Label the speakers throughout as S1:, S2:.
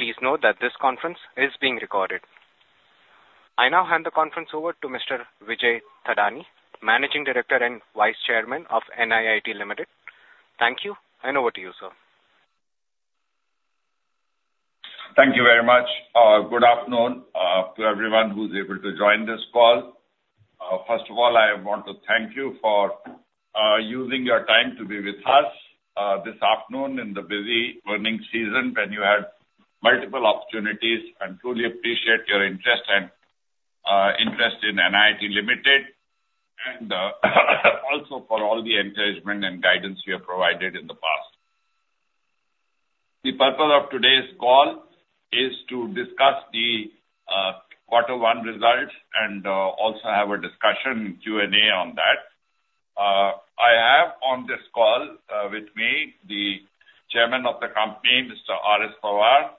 S1: Please note that this conference is being recorded. I now hand the conference over to Mr. Vijay Thadani, Managing Director and Vice Chairman of NIIT Limited. Thank you, and over to you, sir.
S2: Thank you very much. Good afternoon, to everyone who's able to join this call. First of all, I want to thank you for, using your time to be with us, this afternoon in the busy earnings season when you had multiple opportunities, and truly appreciate your interest and, interest in NIIT Limited, and, also for all the encouragement and guidance you have provided in the past. The purpose of today's call is to discuss the, quarter one results, and, also have a discussion Q&A on that. I have on this call, with me, the Chairman of the company, Mr. R.S. Pawar,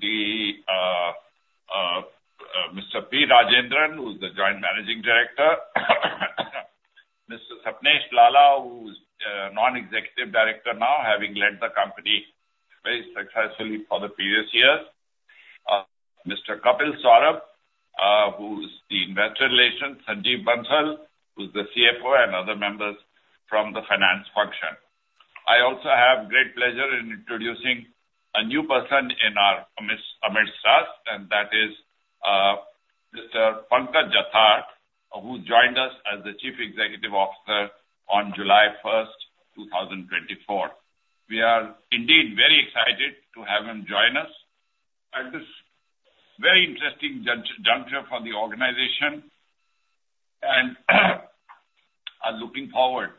S2: the, Mr. P. Rajendran, who's the Joint Managing Director, Mr. Sapnesh Lalla, who's, Non-Executive Director now, having led the company very successfully for the previous years, Mr. Kapil Saurabh, who's the Investor Relations, Sanjeev Bansal, who's the CFO, and other members from the finance function. I also have great pleasure in introducing a new person in our midst, amidst us, and that is, Mr. Pankaj Jathar, who joined us as the CEO on July 1st, 2024. We are indeed very excited to have him join us at this very interesting juncture for the organization, and are looking forward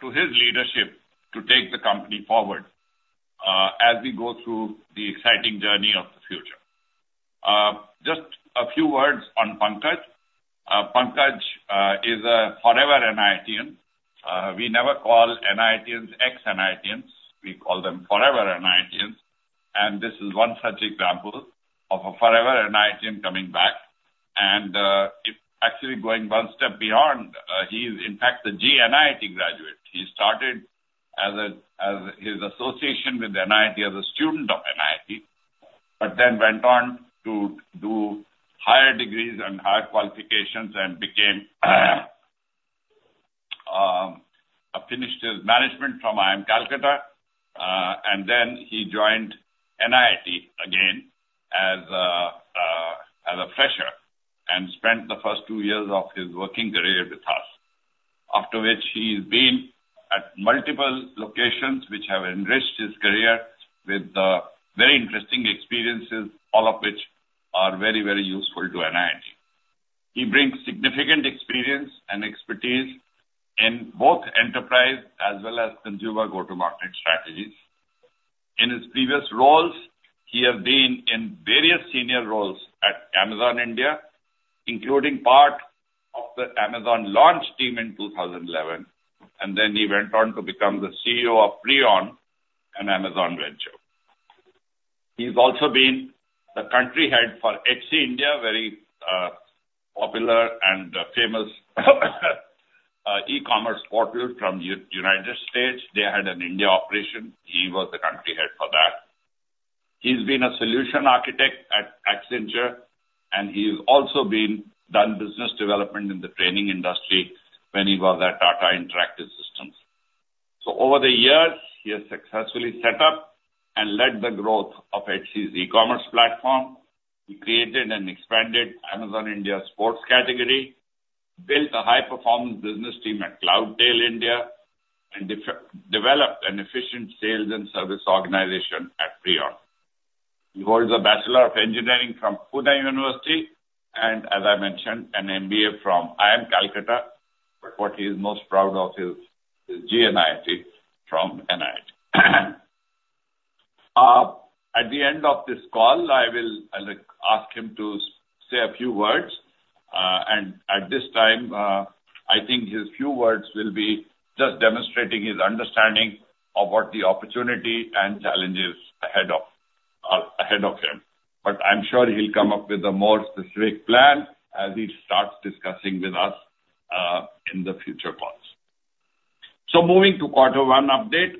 S2: to his leadership to take the company forward, as we go through the exciting journey of the future. Just a few words on Pankaj. Pankaj is a forever NIITian. We never call NIITians ex-NIITians. We call them forever NIITians, and this is one such example of a forever NIITian coming back. And, it actually going one step beyond, he is in fact a GNIIT graduate. He started as a, as his association with NIIT as a student of NIIT, but then went on to do higher degrees and higher qualifications and became, finished his management from IIM Calcutta. And then he joined NIIT again as a, as a fresher, and spent the first two years of his working career with us, after which he's been at multiple locations which have enriched his career with, very interesting experiences, all of which are very, very useful to NIIT. He brings significant experience and expertise in both enterprise as well as consumer go-to-market strategies. In his previous roles, he has been in various senior roles at Amazon India, including part of the Amazon launch team in 2011, and then he went on to become the CEO of Prione, an Amazon venture. He's also been the country head for Etsy India, very popular and famous e-commerce portal from United States. They had an India operation. He was the country head for that. He's been a solution architect at Accenture, and he's also done business development in the training industry when he was at Tata Interactive Systems. So over the years, he has successfully set up and led the growth of Etsy's e-commerce platform. He created and expanded Amazon India's sports category, built a high-performance business team at Cloudtail India, and developed an efficient sales and service organization at Prione. He holds a Bachelor of Engineering from Pune University, and as I mentioned, an MBA from IIM Calcutta. But what he's most proud of is his GNIIT from NIIT. At the end of this call, I will ask him to say a few words. And at this time, I think his few words will be just demonstrating his understanding of what the opportunity and challenges ahead of him. But I'm sure he'll come up with a more specific plan as he starts discussing with us in the future calls. So moving to quarter one update.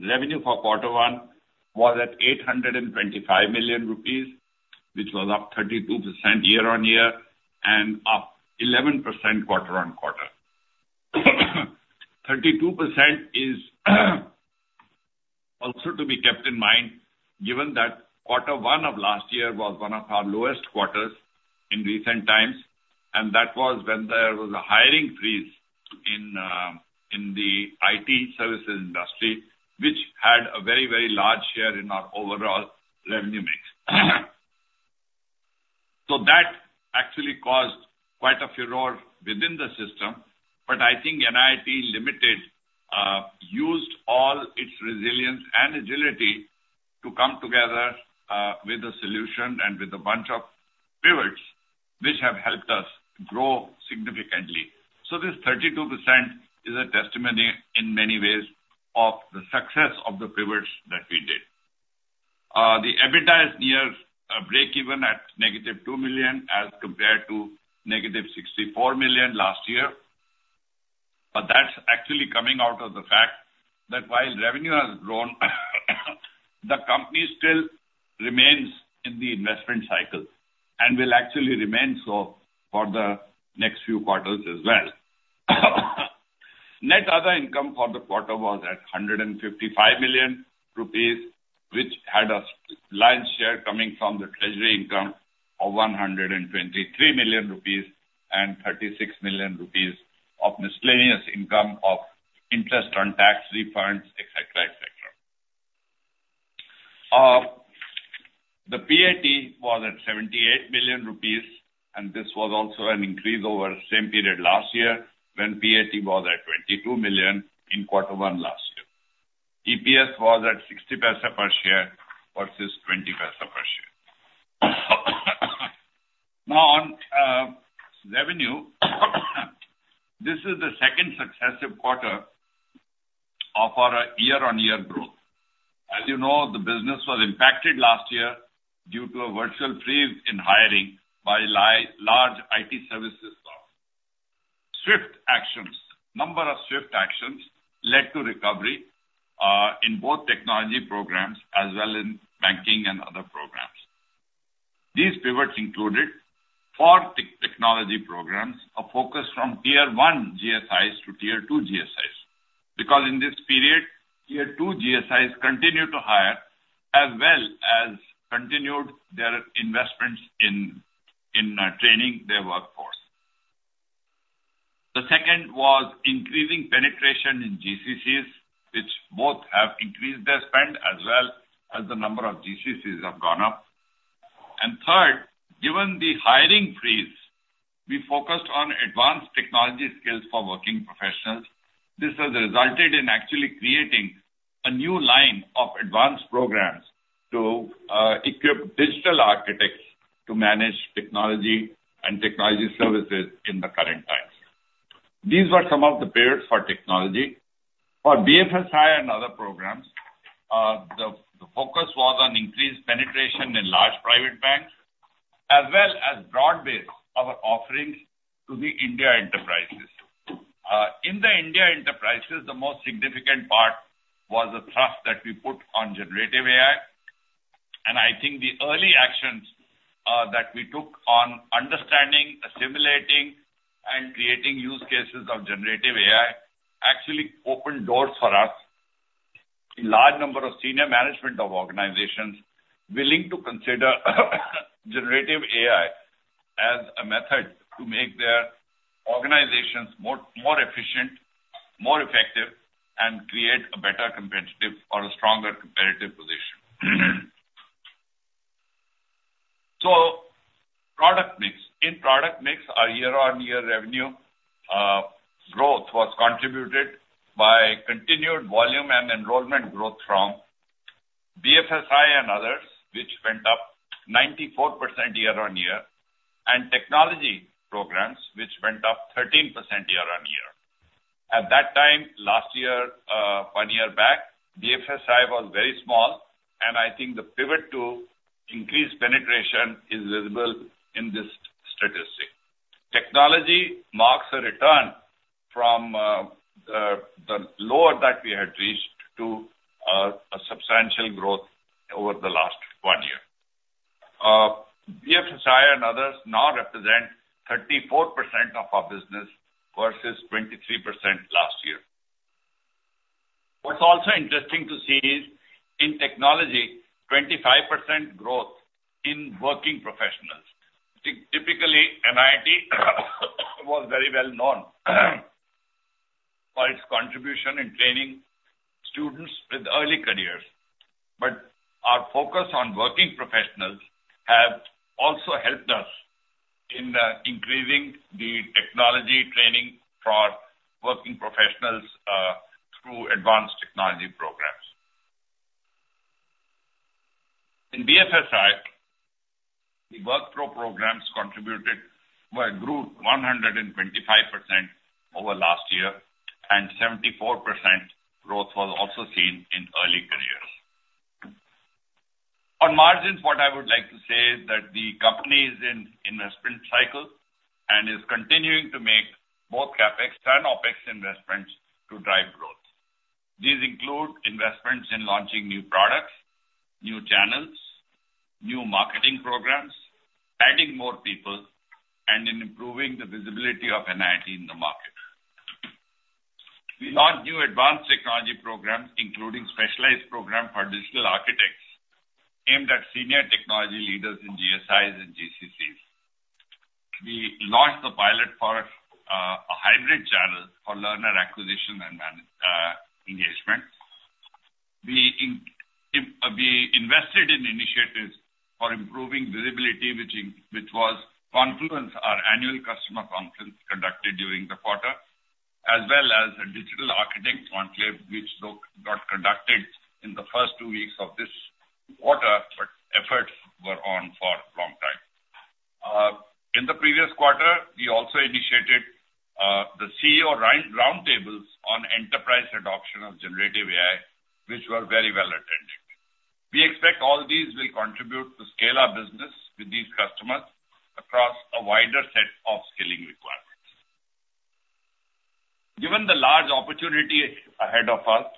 S2: Revenue for quarter one was at 825 million rupees, which was up 32% year-on-year and up 11% quarter-on-quarter. 32% is, also to be kept in mind, given that quarter one of last year was one of our lowest quarters in recent times, and that was when there was a hiring freeze in the IT services industry, which had a very, very large share in our overall revenue mix. So that actually caused quite a furor within the system, but I think NIIT Limited used all its resilience and agility to come together with a solution and with a bunch of pivots, which have helped us grow significantly. So this 32% is a testimony, in many ways, of the success of the pivots that we did. The EBITDA is near breakeven at -2 million as compared to -64 million last year. But that's actually coming out of the fact that while revenue has grown, the company still remains in the investment cycle and will actually remain so for the next few quarters as well. Net other income for the quarter was at 155 million rupees, which had a lion's share coming from the treasury income of 123 million rupees and 36 million rupees of miscellaneous income of interest on tax refunds, et cetera, et cetera. The PAT was at 78 million rupees, and this was also an increase over the same period last year, when PAT was at 22 million in quarter one last year. EPS was at 60 paise per share versus 20 paise per share. Now, on revenue, this is the second successive quarter of our year-on-year growth. As you know, the business was impacted last year due to a virtual freeze in hiring by large IT services staff. Swift actions, a number of swift actions led to recovery in both technology programs as well in banking and other programs. These pivots included four technology programs, a focus from Tier one GSIs to Tier two GSIs. Because in this period, Tier two GSIs continued to hire as well as continued their investments in training their workforce. The second was increasing penetration in GCCs, which both have increased their spend, as well as the number of GCCs have gone up. And third, given the hiring freeze, we focused on advanced technology skills for working professionals. This has resulted in actually creating a new line of advanced programs to equip digital architects to manage technology and technology services in the current times. These were some of the pivots for technology. For BFSI and other programs, the focus was on increased penetration in large private banks, as well as broad base our offerings to the India enterprises. In the India enterprises, the most significant part was the trust that we put on generative AI, and I think the early actions that we took on understanding, assimilating, and creating use cases of generative AI actually opened doors for us. A large number of senior management of organizations willing to consider generative AI as a method to make their organizations more, more efficient, more effective, and create a better competitive or a stronger competitive position. So product mix. In product mix, our year-on-year revenue growth was contributed by continued volume and enrollment growth from BFSI and others, which went up 94% year-on-year, and technology programs, which went up 13% year-on-year. At that time, last year, one year back, BFSI was very small, and I think the pivot to increased penetration is visible in this statistic. Technology marks a return from the lower that we had reached to a substantial growth over the last one year. BFSI and others now represent 34% of our business versus 23% last year. What's also interesting to see is, in technology, 25% growth in working professionals. Typically, NIIT was very well known for its contribution in training students with early careers. But our focus on working professionals have also helped us in increasing the technology training for working professionals through advanced technology programs. In BFSI, the WorkPro programs grew 125% over last year, and 74% growth was also seen in early careers. On margins, what I would like to say is that the company is in investment cycle and is continuing to make both CapEx and OpEx investments to drive growth. These include investments in launching new products, new channels, new marketing programs, adding more people, and in improving the visibility of NIIT in the market. We launched new advanced technology programs, including specialized program for digital architects, aimed at senior technology leaders in GSIs and GCCs. We launched the pilot for a hybrid channel for learner acquisition and management. We invested in initiatives for improving visibility, which was Confluence, our annual customer conference, conducted during the quarter, as well as a Digital Architect Conclave, which though got conducted in the first two weeks of this quarter, but efforts were on. Also initiated the CEO roundtables on enterprise adoption of Generative AI, which were very well attended. We expect all these will contribute to scale our business with these customers across a wider set of skilling requirements. Given the large opportunity ahead of us,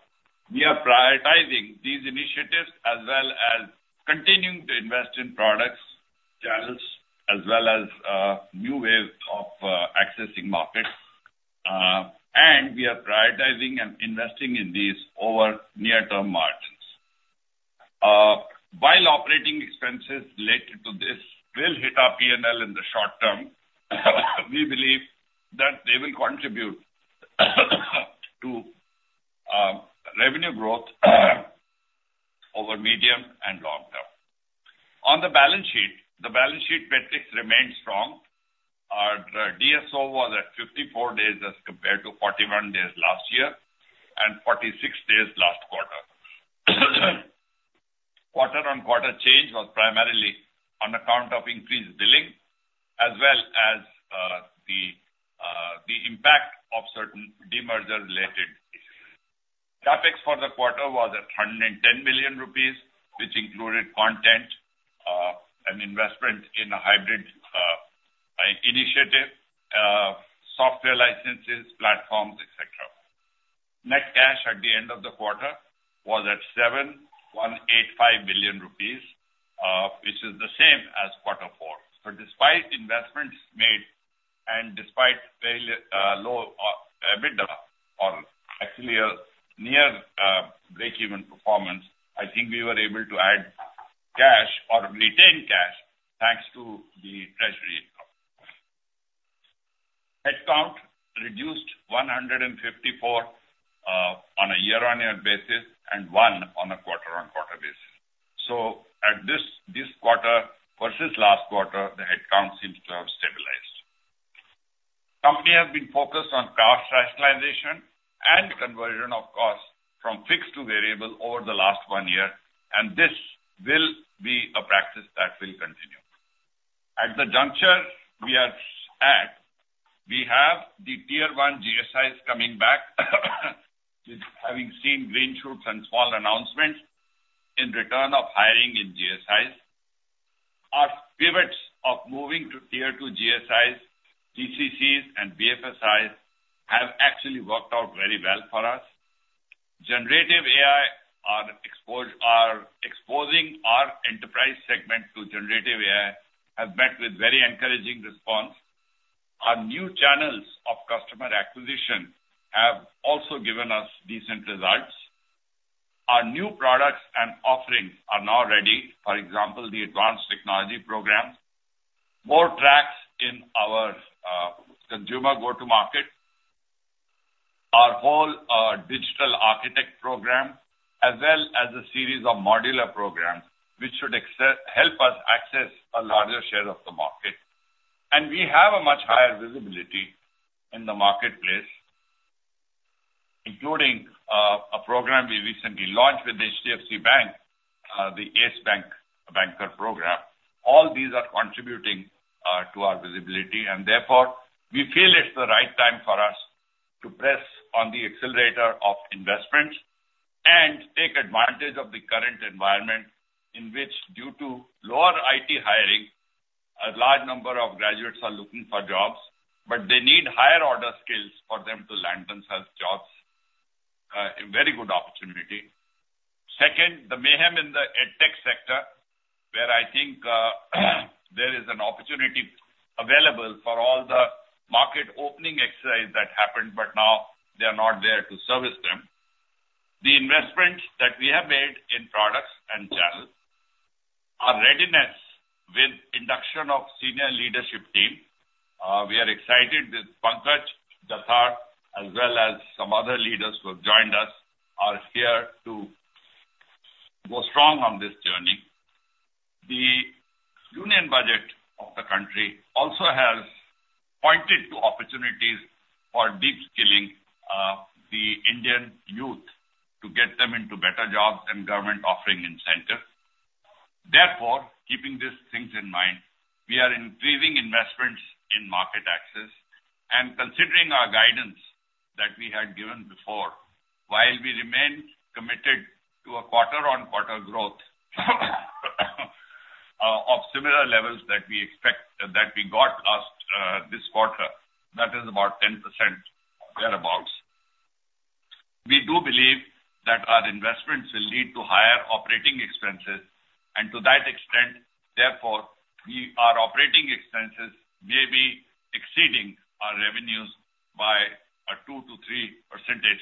S2: we are prioritizing these initiatives, as well as continuing to invest in products, channels, as well as new ways of accessing markets, and we are prioritizing and investing in these over near-term margins. While operating expenses related to this will hit our P&L in the short term, we believe that they will contribute to revenue growth over medium and long term. On the balance sheet, the balance sheet metrics remain strong. Our DSO was at 54 days as compared to 41 days last year and 46 days last quarter. Quarter-on-quarter change was primarily on account of increased billing, as well as the impact of certain demerger related issues. CapEx for the quarter was at 110 million rupees, which included content, an investment in a hybrid initiative, software licenses, platforms, et cetera. Net cash at the end of the quarter was at 7,185 million, which is the same as quarter four. So despite investments made and despite very low EBITDA or actually a near breakeven performance, I think we were able to add cash or retain cash, thanks to the treasury income. Headcount reduced 154 on a year-on-year basis, and one on a quarter-on-quarter basis. So at this quarter versus last quarter, the headcount seems to have stabilized. Company has been focused on cost rationalization and conversion of costs from fixed to variable over the last one year, and this will be a practice that will continue. At the juncture we are at, we have the Tier one GSIs coming back, having seen green shoots and small announcements in return of hiring in GSIs. Our pivots of moving to Tier two GSIs, GCCs and BFSI have actually worked out very well for us. Generative AI are exposing our enterprise segment to generative AI, have met with very encouraging response. Our new channels of customer acquisition have also given us decent results. Our new products and offerings are now ready. For example, the advanced technology programs, more tracks in our consumer go-to-market, our whole Digital Architect Program, as well as a series of modular programs, which should help us access a larger share of the market. And we have a much higher visibility in the marketplace, including a program we recently launched with HDFC Bank, the ACE Banker Program. All these are contributing to our visibility, and therefore, we feel it's the right time for us to press on the accelerator of investments and take advantage of the current environment, in which due to lower IT hiring, a large number of graduates are looking for jobs, but they need higher order skills for them to land themselves jobs, a very good opportunity. Second, the mayhem in the edtech sector, where I think, there is an opportunity available for all the market opening exercise that happened, but now they are not there to service them. The investment that we have made in products and channels, our readiness with induction of senior leadership team, we are excited with Pankaj Jathar, as well as some other leaders who have joined us, are here to go strong on this journey. The Union Budget of the country also has pointed to opportunities for deep skilling, the Indian youth to get them into better jobs and government offering incentive. Therefore, keeping these things in mind, we are increasing investments in market access and considering our guidance that we had given before, while we remain committed to a quarter-on-quarter growth, of similar levels that we expect, that we got last, this quarter, that is about 10% thereabouts. We do believe that our investments will lead to higher operating expenses, and to that extent, therefore, our operating expenses may be exceeding our revenues by a 2-3 percentage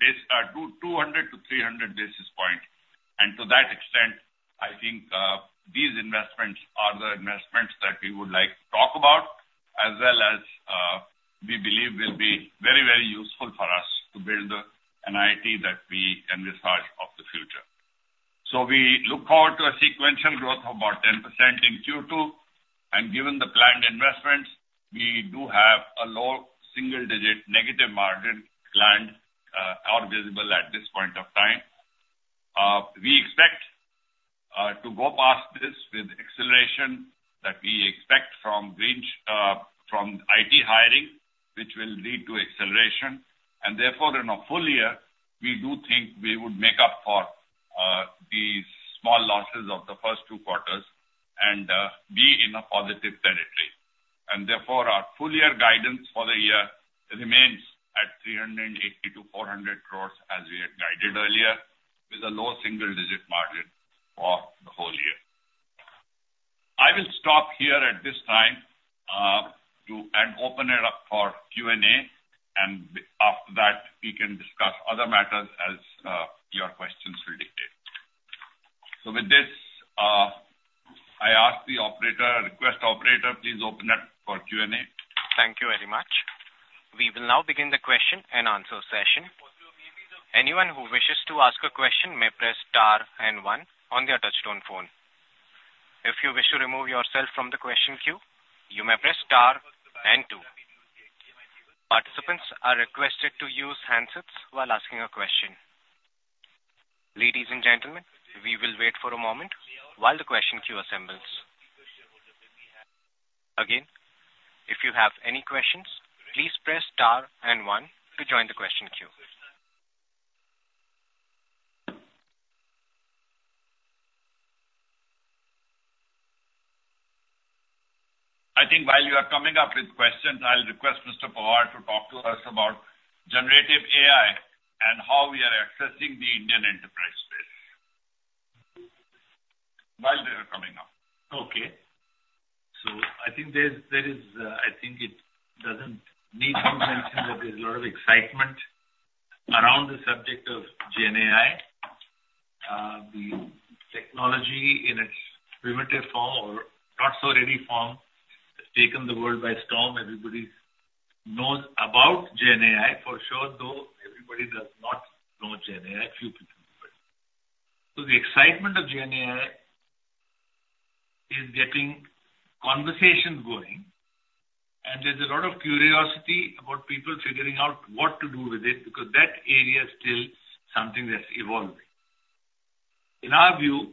S2: base, 200-300 basis points. And to that extent, I think, these investments are the investments that we would like to talk about, as well as, we believe will be very, very useful for us to build an IT that we envisage of the future. So we look forward to a sequential growth of about 10% in Q2. And given the planned investments, we do have a low single digit negative margin planned, or visible at this point of time. We expect to go past this with acceleration that we expect from range, from IT hiring, which will lead to acceleration. And therefore, in a full year, we do think we would make up for these small losses of the first two quarters and be in a positive territory. Therefore, our full year guidance for the year remains at 380-400 crores, as we had guided earlier, with a low single digit margin for the whole year. I will stop here at this time, and open it up for Q&A, and after that, we can discuss other matters as your questions will dictate. So with this, I ask the operator, I request the operator, please open up for Q&A.
S1: Thank you very much. We will now begin the question and answer session. Anyone who wishes to ask a question may press star and one on their touchtone phone. If you wish to remove yourself from the question queue, you may press star and two. Participants are requested to use handsets while asking a question. Ladies and gentlemen, we will wait for a moment while the question queue assembles. Again, if you have any questions, please press star and one to join the question queue.
S2: I think while you are coming up with questions, I'll request Mr. Pawar to talk to us about Generative AI and how we are accessing the Indian enterprise space. While they are coming up.
S3: Okay. So I think there's, there is, I think it doesn't need to mention that there's a lot of excitement around the subject of Gen AI. The technology in its primitive form or not so ready form, has taken the world by storm. Everybody knows about Gen AI for sure, though everybody does not know Gen AI, a few people. So the excitement of Gen AI is getting conversations going, and there's a lot of curiosity about people figuring out what to do with it, because that area is still something that's evolving. In our view,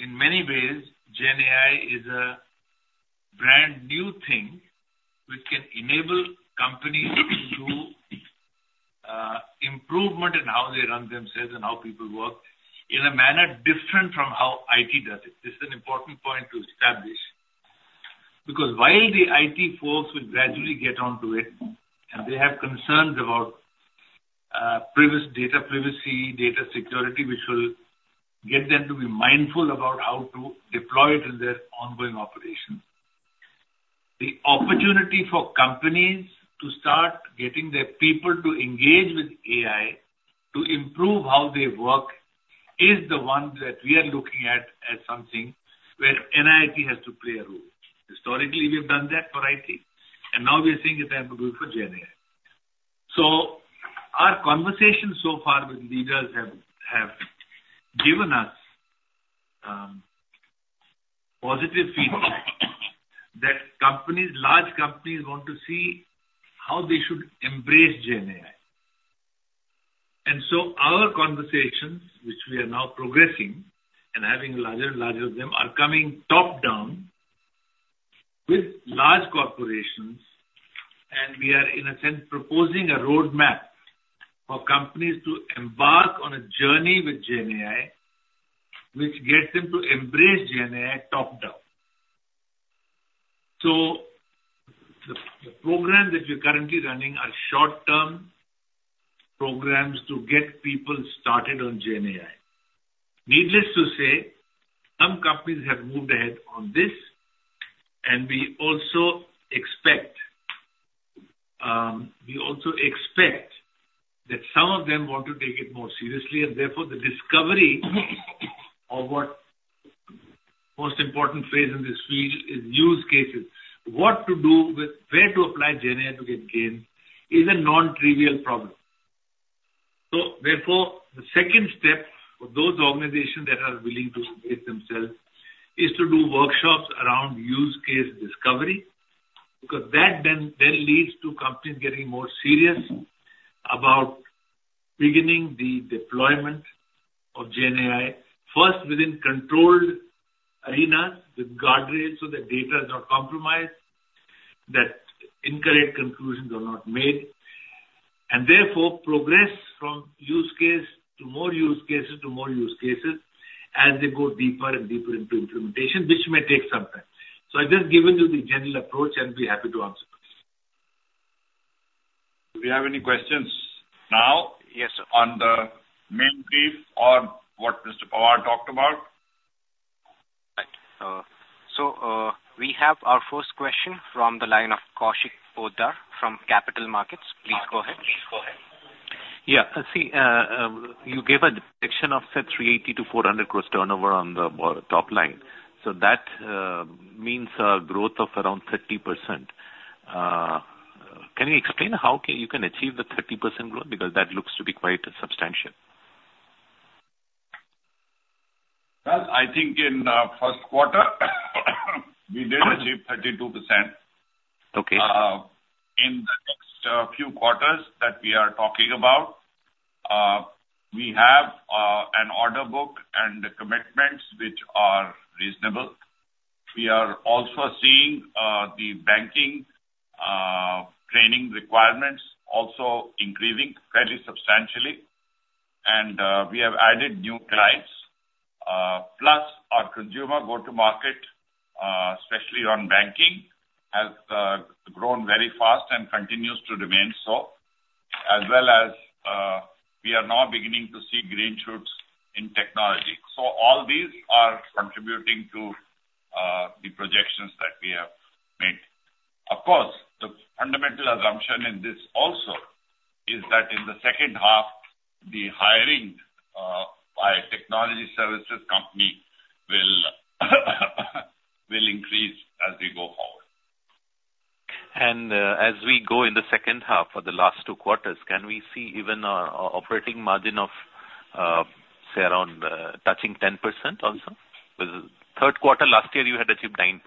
S3: in many ways, Gen AI is a brand new thing which can enable companies to do, improvement in how they run themselves and how people work in a manner different from how IT does it. This is an important point to establish. Because while the IT folks will gradually get onto it, and they have concerns about data privacy, data security, which will get them to be mindful about how to deploy it in their ongoing operations. The opportunity for companies to start getting their people to engage with AI to improve how they work is the one that we are looking at as something where NIIT has to play a role. Historically, we have done that for IT, and now we are seeing it have to do it for Gen AI. So our conversations so far with leaders have given us positive feedback that companies, large companies, want to see how they should embrace Gen AI. And so our conversations, which we are now progressing and having larger and larger of them, are coming top-down with large corporations, and we are, in a sense, proposing a roadmap for companies to embark on a journey with Gen AI, which gets them to embrace Gen AI top-down. So the programs that we're currently running are short-term programs to get people started on Gen AI. Needless to say, some companies have moved ahead on this, and we also expect, we also expect that some of them want to take it more seriously, and therefore the discovery of what most important phase in this field is use cases. What to do with, where to apply Gen AI to get gain is a non-trivial problem. So therefore, the second step for those organizations that are willing to engage themselves is to do workshops around use case discovery, because that then leads to companies getting more serious about beginning the deployment of Gen AI, first within controlled arena, with guardrails, so the data is not compromised, that incorrect conclusions are not made. And therefore progress from use case to more use cases, to more use cases as they go deeper and deeper into implementation, which may take some time. So I've just given you the general approach, and be happy to answer questions.
S2: Do we have any questions now?
S1: Yes.
S2: On the main brief or what Mr. Pawar talked about?
S1: Right. So, we have our first question from the line of Kaushik Poddar from Capital Market. Please go ahead.
S4: Yeah, I see. You gave a depiction of say 380-400 crore turnover on the top line. So that means a growth of around 30%. Can you explain how you can achieve the 30% growth? Because that looks to be quite substantial.
S2: Well, I think in first quarter, we did achieve 32%.
S4: Okay.
S2: In the next few quarters that we are talking about, we have an order book and commitments which are reasonable. We are also seeing the banking training requirements also increasing fairly substantially, and we have added new clients. Plus our consumer go to market, especially on banking, has grown very fast and continues to remain so, as well as we are now beginning to see green shoots in technology. So all these are contributing to the projections that we have made. Of course, the fundamental assumption in this also is that in the second half, the hiring by technology services company will increase as we go forward.
S4: As we go in the second half or the last two quarters, can we see even operating margin of, say, around, touching 10% also? Third quarter last year, you had achieved 9%.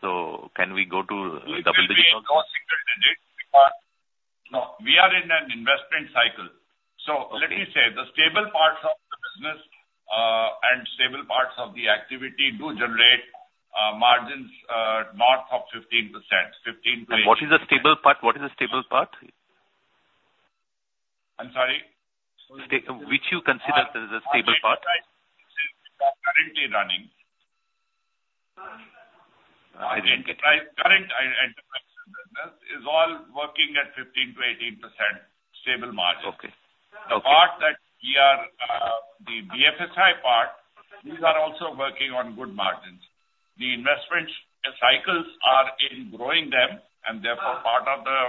S4: So can we go to double digits?
S2: No, we are in an investment cycle. So let me say, the stable parts of the business, and stable parts of the activity do generate, margins, north of 15%, 15%-20%.
S4: What is the stable part? What is the stable part?
S2: I'm sorry?
S4: Which you consider as the stable part.
S2: Currently running.
S4: I didn't get you.
S2: Current enterprise business is all working at 15%-18% stable margin.
S4: Okay. Okay.
S2: Part that we are, the BFSI part, these are also working on good margins. The investment cycles are in growing them, and therefore, part of the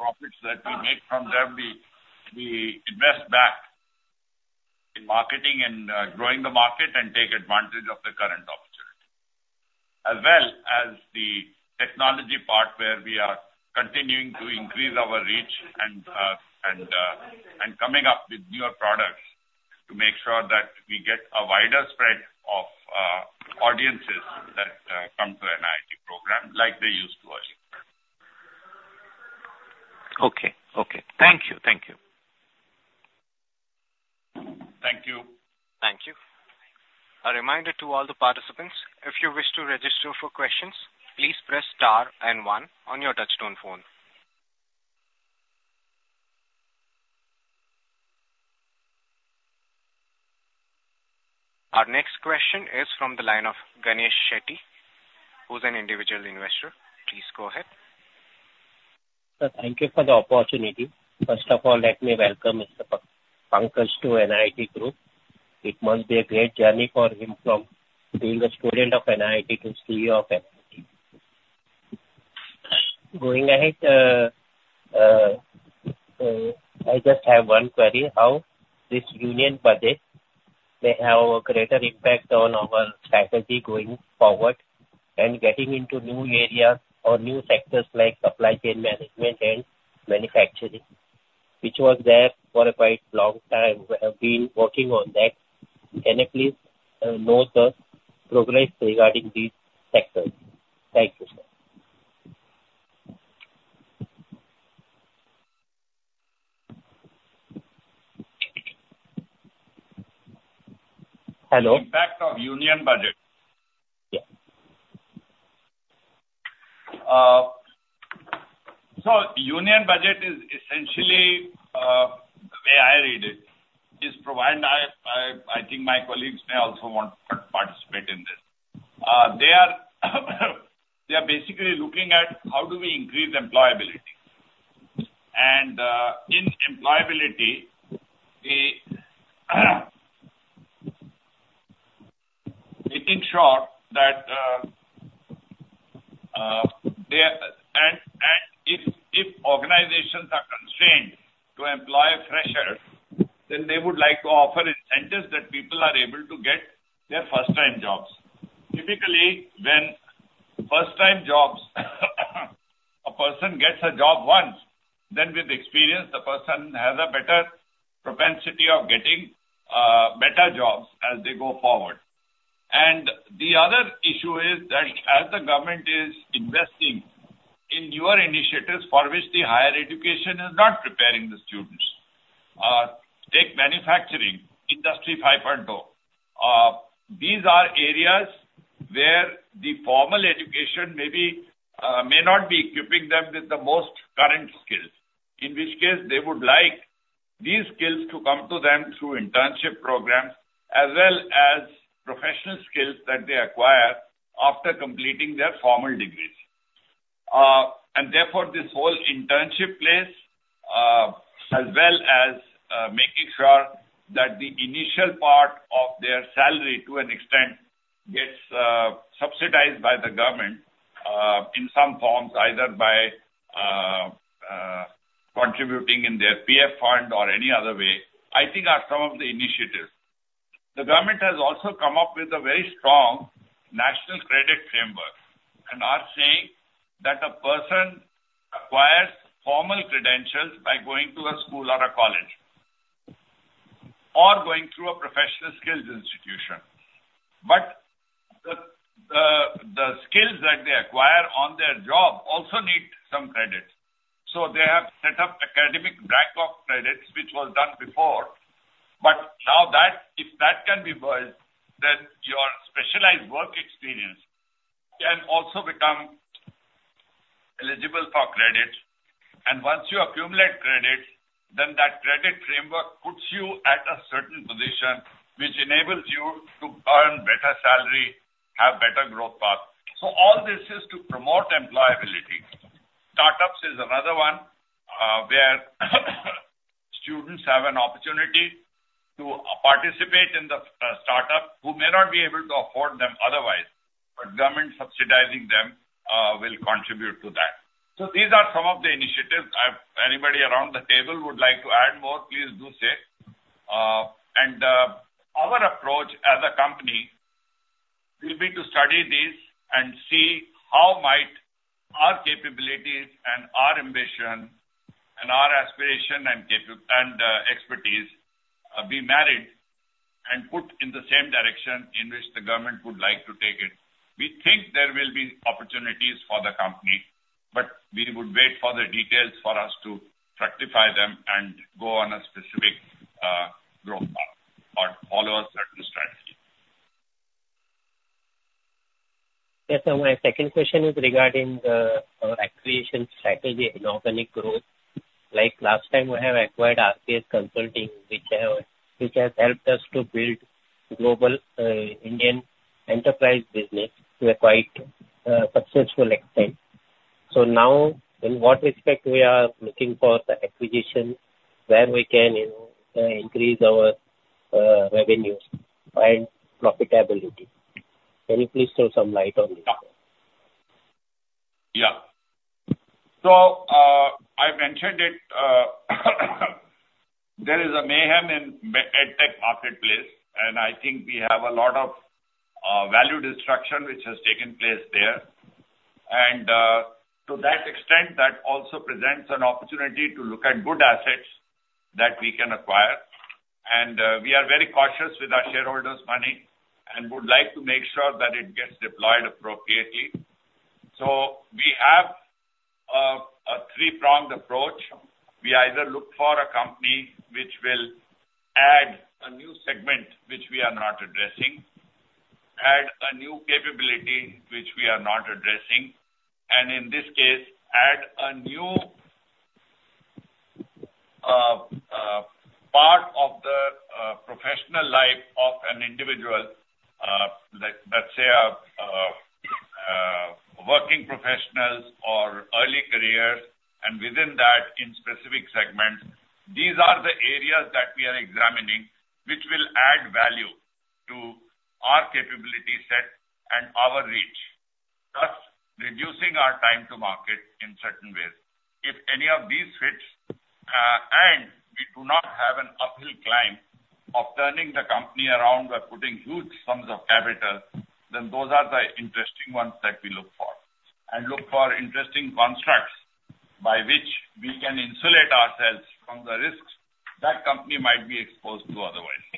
S2: profits that we make from them, we invest back in marketing and growing the market and take advantage of the current opportunity. As well as the technology part, where we are continuing to increase our reach and and coming up with newer products to make sure that we get a wider spread of audiences that come to an NIT program like they used to earlier.
S4: Okay. Okay. Thank you. Thank you.
S2: Thank you.
S1: Thank you. A reminder to all the participants, if you wish to register for questions, please press star and one on your touchtone phone. Our next question is from the line of Ganesh Shetty, who's an individual investor. Please go ahead.
S5: Sir, thank you for the opportunity. First of all, let me welcome Mr. Pankaj to NIIT Group. It must be a great journey for him from being a student of NIIT to CEO of NIIT. Going ahead, I just have one query, how this Union Budget may have a greater impact on our strategy going forward and getting into new areas or new sectors like supply chain management and manufacturing, which was there for a quite long time. We have been working on that. Can I please know the progress regarding these sectors? Thank you, sir. Hello?
S2: Impact of Union Budget.
S5: Yeah.
S2: So, the Union Budget is essentially the way I read it. I think my colleagues may also want to participate in this. They are basically looking at how do we increase employability. And in employability, making sure that they are. And if organizations are constrained to employ freshers, then they would like to offer incentives that people are able to get their first time jobs. Typically, when first time jobs, a person gets a job once, then with experience, the person has a better propensity of getting better jobs as they go forward. And the other issue is that as the government is investing in newer initiatives for which the higher education is not preparing the students, take manufacturing, Industry 5.0. These are areas where the formal education may not be equipping them with the most current skills, in which case they would like these skills to come to them through internship programs, as well as professional skills that they acquire after completing their formal degrees. And therefore, this whole internship place, as well as making sure that the initial part of their salary, to an extent, gets subsidized by the government, in some forms, either by contributing in their PF fund or any other way, I think are some of the initiatives. The government has also come up with a very strong National Credit Framework, and are saying that a person acquires formal credentials by going to a school or a college, going through a professional skills institution. But the, the skills that they acquire on their job also need some credits. So they have set up Academic Bank of Credits, which was done before, but now that, if that can be built, then your specialized work experience can also become eligible for credit. And once you accumulate credit, then that credit framework puts you at a certain position, which enables you to earn better salary, have better growth path. So all this is to promote employability. Startups is another one, where students have an opportunity to participate in the, startup, who may not be able to afford them otherwise, but government subsidizing them, will contribute to that. So these are some of the initiatives. If anybody around the table would like to add more, please do so. Our approach as a company will be to study this and see how might our capabilities and our ambition and our aspiration and expertise be married and put in the same direction in which the government would like to take it. We think there will be opportunities for the company, but we would wait for the details for us to rectify them and go on a specific growth path or follow a certain strategy.
S5: Yes, so my second question is regarding the acquisition strategy, inorganic growth. Like, last time we have acquired RPS Consulting, which has helped us to build global Indian enterprise business. We are quite successful extent. So now, in what respect we are looking for the acquisition, where we can, you know, increase our revenues and profitability? Can you please throw some light on this?
S2: Yeah. Yeah. So, I've mentioned it, there is a mayhem in the edtech marketplace, and I think we have a lot of value destruction which has taken place there. And, to that extent, that also presents an opportunity to look at good assets that we can acquire. And, we are very cautious with our shareholders' money and would like to make sure that it gets deployed appropriately. So we have a three-pronged approach. We either look for a company which will add a new segment, which we are not addressing, add a new capability, which we are not addressing, and in this case, add a new part of the professional life of an individual, let's say, working professionals or early careers, and within that, in specific segments. These are the areas that we are examining, which will add value to our capability set and our reach, thus reducing our time to market in certain ways. If any of these fits, and we do not have an uphill climb of turning the company around by putting huge sums of capital, then those are the interesting ones that we look for. And look for interesting constructs by which we can insulate ourselves from the risks that company might be exposed to otherwise.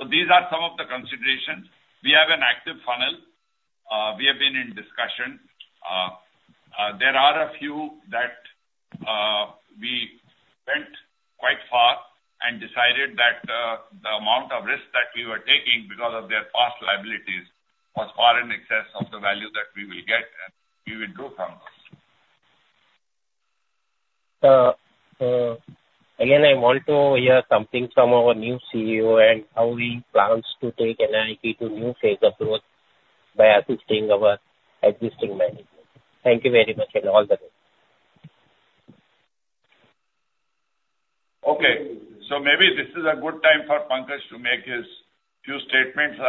S2: So these are some of the considerations. We have an active funnel. We have been in discussion. There are a few that we went quite far and decided that the amount of risk that we were taking because of their past liabilities was far in excess of the value that we will get and we withdrew from them.
S5: Again, I want to hear something from our new CEO and how he plans to take NIIT to new phase of growth by assisting our existing management. Thank you very much, and all the best.
S2: Okay. So maybe this is a good time for Pankaj to make his few statements.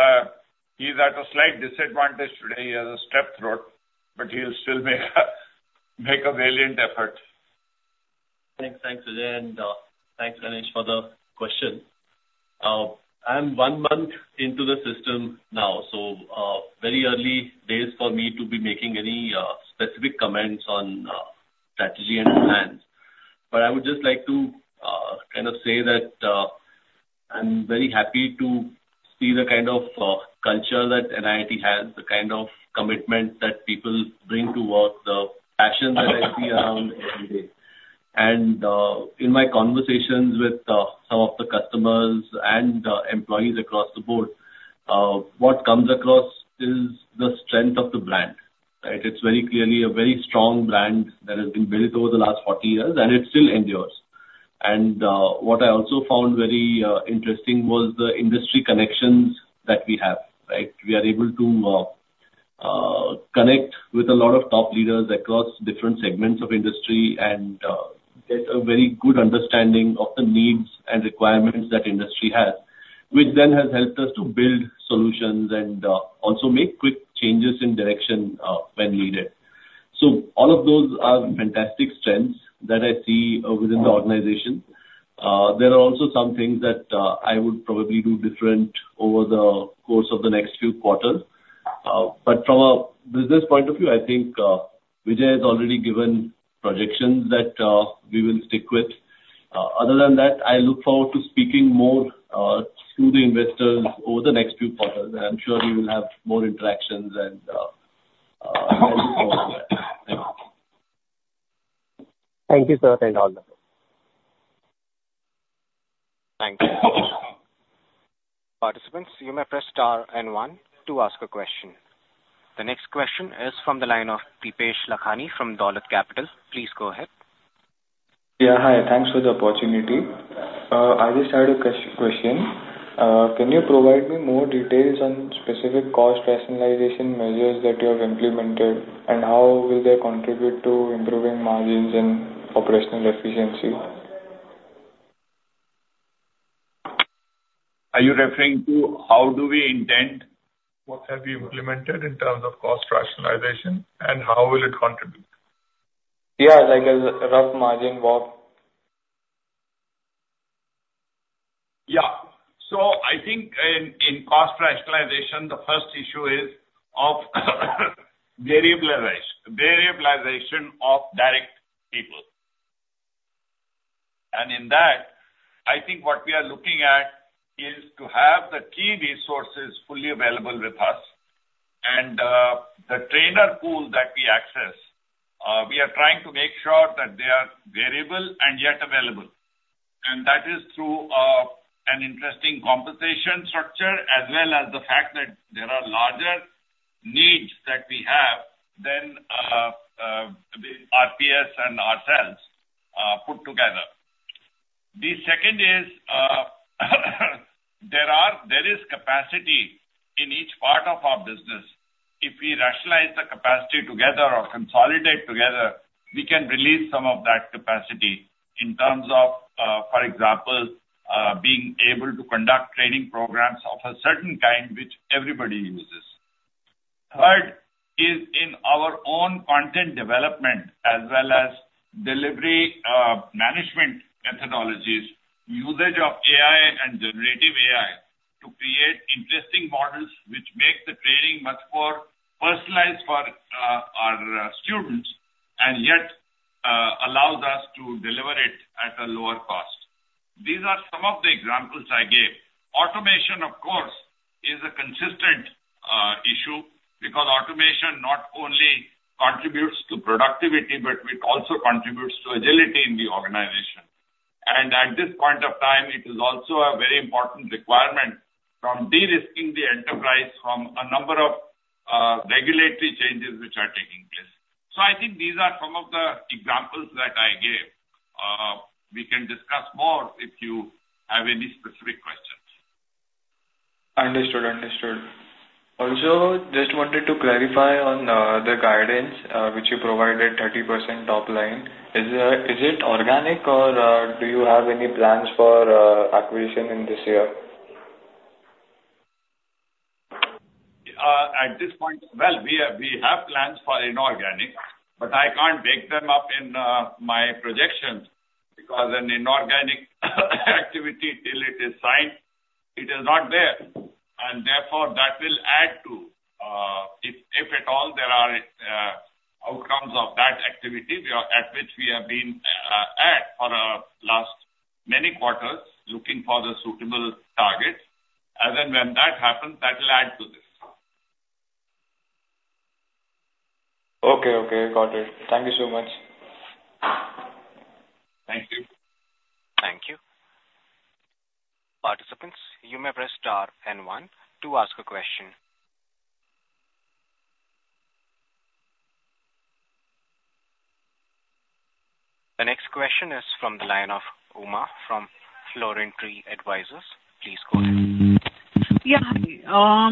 S2: He's at a slight disadvantage today. He has a strep throat, but he'll still make a valiant effort.
S6: Thanks. Thanks, Vijay, and thanks, Ganesh, for the question. I'm 1 month into the system now, so very early days for me to be making any specific comments on strategy and plans. But I would just like to kind of say that I'm very happy to see the kind of culture that NIIT has, the kind of commitment that people bring to work, the passion that I see around every day. And in my conversations with some of the customers and employees across the board, what comes across is the strength of the brand, right? It's very clearly a very strong brand that has been built over the last 40 years, and it still endures. And what I also found very interesting was the industry connections that we have, right? We are able to connect with a lot of top leaders across different segments of industry and get a very good understanding of the needs and requirements that industry has, which then has helped us to build solutions and also make quick changes in direction when needed. So all of those are fantastic strengths that I see within the organization. There are also some things that I would probably do different over the course of the next few quarters....
S2: But from a business point of view, I think, Vijay has already given projections that, we will stick with. Other than that, I look forward to speaking more, to the investors over the next few quarters, and I'm sure we will have more interactions and, forward.
S5: Thank you, sir, and all.
S1: Thank you. Participants, you may press star and one to ask a question. The next question is from the line of Dipesh Lakhani from Dolat Capital. Please go ahead.
S7: Yeah, hi. Thanks for the opportunity. I just had a question. Can you provide me more details on specific cost rationalization measures that you have implemented, and how will they contribute to improving margins and operational efficiency?
S2: Are you referring to how do we intend, what have we implemented in terms of cost rationalization, and how will it contribute?
S7: Yeah, like a rough margin walk.
S2: Yeah. So I think in cost rationalization, the first issue is of variabilization, variabilization of direct people. And in that, I think what we are looking at is to have the key resources fully available with us. And the trainer pool that we access, we are trying to make sure that they are variable and yet available. And that is through an interesting compensation structure, as well as the fact that there are larger needs that we have than the RPS and ourselves put together. The second is, there is capacity in each part of our business. If we rationalize the capacity together or consolidate together, we can release some of that capacity in terms of, for example, being able to conduct training programs of a certain kind, which everybody uses. Third is in our own content development as well as delivery, management methodologies, usage of AI and Generative AI to create interesting models which make the training much more personalized for our students, and yet allows us to deliver it at a lower cost. These are some of the examples I gave. Automation, of course, is a consistent issue because automation not only contributes to productivity, but it also contributes to agility in the organization. At this point of time, it is also a very important requirement from de-risking the enterprise from a number of regulatory changes which are taking place. I think these are some of the examples that I gave. We can discuss more if you have any specific questions.
S7: Understood. Understood. Also, just wanted to clarify on, the guidance, which you provided 30% top line. Is, is it organic or, do you have any plans for, acquisition in this year?
S2: At this point, well, we have plans for inorganic, but I can't bake them up in my projections, because an inorganic activity, till it is signed, it is not there. And therefore, that will add to, if at all, there are outcomes of that activity, at which we have been at for the last many quarters, looking for the suitable targets. And then when that happens, that will add to this.
S7: Okay, okay, got it. Thank you so much.
S2: Thank you.
S1: Thank you. Participants, you may press star and one to ask a question. The next question is from the line of Uma from Florintree Advisors. Please go ahead.
S8: Yeah.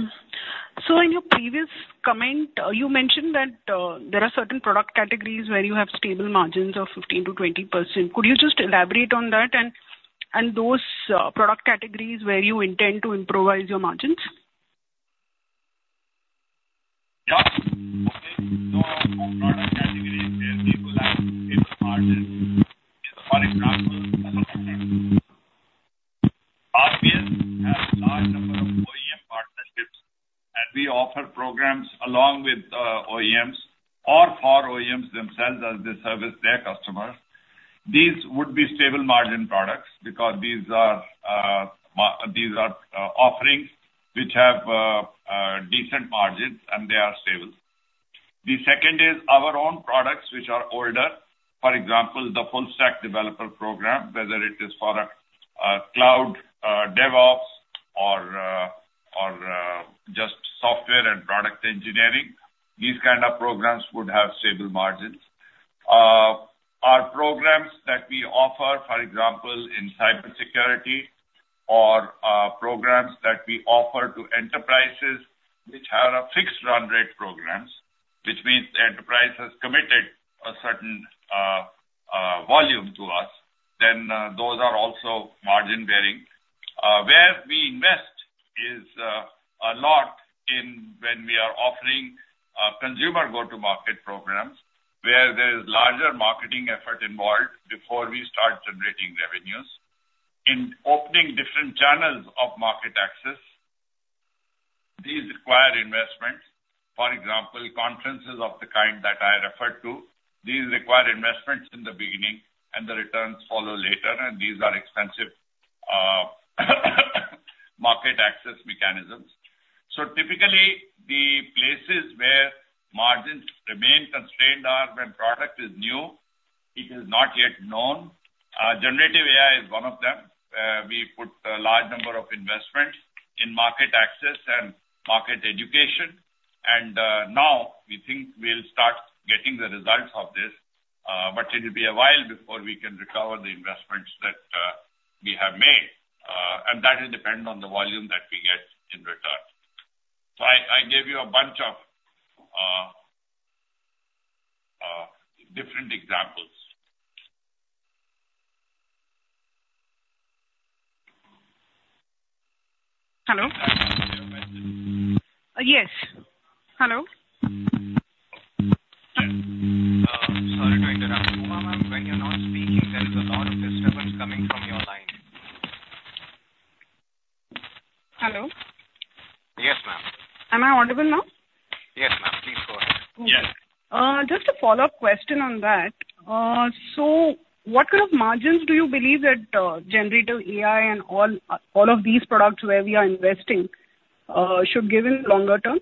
S8: So in your previous comment, you mentioned that there are certain product categories where you have stable margins of 15%-20%. Could you just elaborate on that and those product categories where you intend to improvise your margins?
S2: Yeah. Okay. So product categories where we would like is margin. For example, RPS have large number of OEM partnerships, and we offer programs along with OEMs or for OEMs themselves as they service their customers. These would be stable margin products, because these are offerings which have decent margins and they are stable. The second is our own products, which are older. For example, the Full Stack Developer program, whether it is for a Cloud DevOps or just software and product engineering, these kind of programs would have stable margins. Our programs that we offer, for example, in cybersecurity or programs that we offer to enterprises which have a fixed run rate programs, which means the enterprise has committed a certain volume to us, then those are also margin bearing. Where we invest is a lot in when we are offering consumer go-to-market programs, where there is larger marketing effort involved before we start generating revenues in opening different channels of market access. These require investments. For example, conferences of the kind that I referred to, these require investments in the beginning, and the returns follow later, and these are expensive market access mechanisms. So typically, the places where margins remain constrained are when product is new, it is not yet known. Generative AI is one of them. We put a large number of investments in market access and market education, and now we think we'll start getting the results of this, but it'll be a while before we can recover the investments that we have made, and that will depend on the volume that we get in return. So I gave you a bunch of different examples.
S8: Hello? Yes. Hello?
S1: Sorry to interrupt, Uma ma'am. When you're not speaking, there is a lot of disturbance coming from your line.
S8: Hello?
S2: Yes, ma'am.
S8: Am I audible now?
S2: Yes, ma'am. Please go ahead.
S1: Yes.
S8: Just a follow-up question on that. So what kind of margins do you believe that, Generative AI and all of these products where we are investing, should give in the longer term?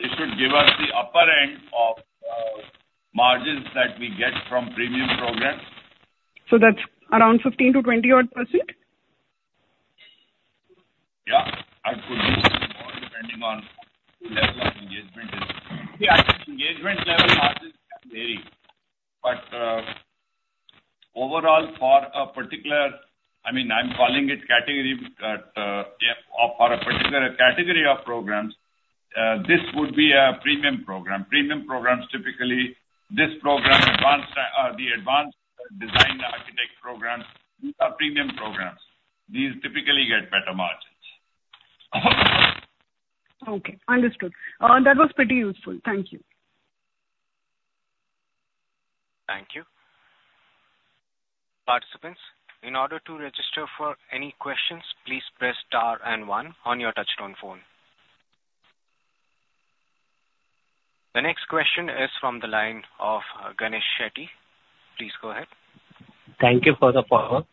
S2: It should give us the upper end of margins that we get from premium programs.
S8: So that's around 15%-20% odd?
S2: Yeah. And could be more depending on the level of engagement... Yeah, engagement level margins can vary. But, overall, for a particular, I mean, I'm calling it category, or for a particular category of programs, this would be a premium program. Premium programs, typically, this program, advanced, the advanced design architect programs, these are premium programs. These typically get better margins.
S8: Okay, understood. That was pretty useful. Thank you.
S1: Thank you. Participants, in order to register for any questions, please press star and one on your touch-tone phone. The next question is from the line of Ganesh Shetty. Please go ahead.
S5: Thank you for the follow-up.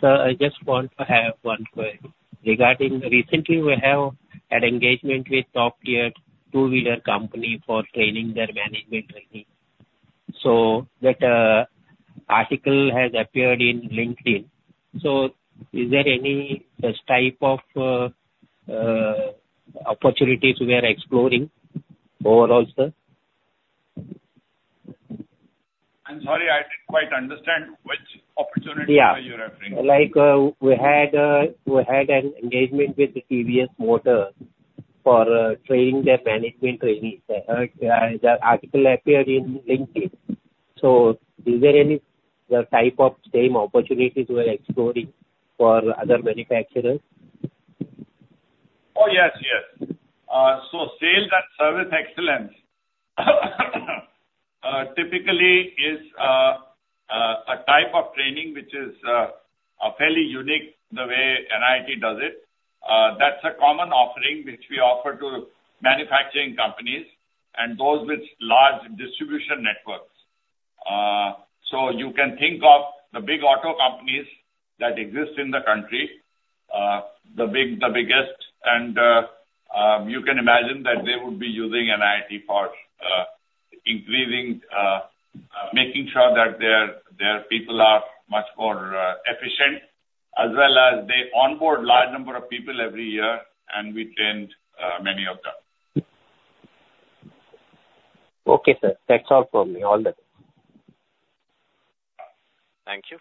S5: Sir, I just want to have one query. Regarding recently, we have had engagement with top-tier two-wheeler company for training their management trainee. So that article has appeared in LinkedIn. So is there any such type of opportunities we are exploring overall, sir?
S2: I'm sorry, I didn't quite understand which opportunity are you referring to?
S5: Yeah. Like, we had an engagement with the TVS Motor for training their management trainees. The article appeared in LinkedIn. So is there any type of same opportunities we're exploring for other manufacturers?
S2: Oh, yes, yes. So Sales and Service Excellence typically is a type of training which is a fairly unique the way NIIT does it. That's a common offering which we offer to manufacturing companies and those with large distribution networks. So you can think of the big auto companies that exist in the country, the big, the biggest, and you can imagine that they would be using NIIT for increasing, making sure that their, their people are much more efficient, as well as they onboard large number of people every year, and we trained many of them.
S5: Okay, sir. That's all from me. All the best.
S1: Thank you.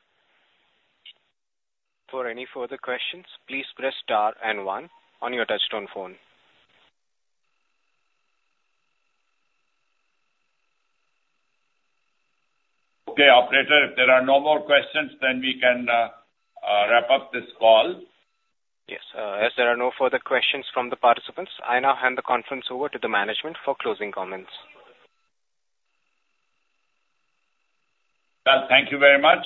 S1: For any further questions, please press star and one on your touchtone phone.
S2: Okay, operator, if there are no more questions, then we can wrap up this call.
S1: Yes. As there are no further questions from the participants, I now hand the conference over to the management for closing comments.
S2: Well, thank you very much.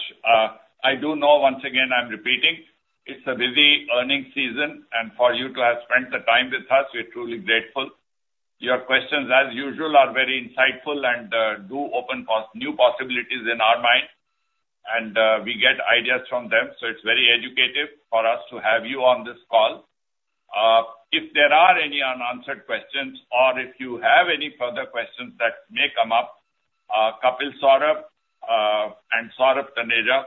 S2: I do know, once again, I'm repeating, it's a busy earnings season, and for you to have spent the time with us, we're truly grateful. Your questions, as usual, are very insightful and do open new possibilities in our mind, and we get ideas from them, so it's very educative for us to have you on this call. If there are any unanswered questions or if you have any further questions that may come up, Kapil Saurabh and Saurabh Taneja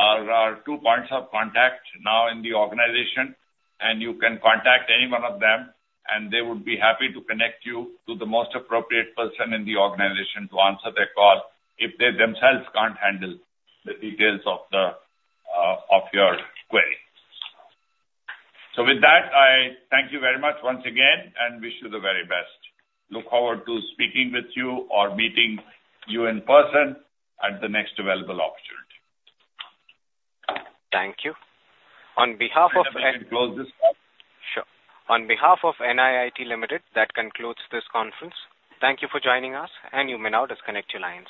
S2: are our two points of contact now in the organization, and you can contact any one of them, and they would be happy to connect you to the most appropriate person in the organization to answer their call, if they themselves can't handle the details of the of your query. With that, I thank you very much once again, and wish you the very best. Look forward to speaking with you or meeting you in person at the next available opportunity.
S1: Thank you. On behalf of-
S2: Close this call.
S1: Sure. On behalf of NIIT Limited, that concludes this conference. Thank you for joining us, and you may now disconnect your lines.